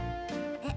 えっ？